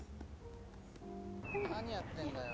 何やってんだよ。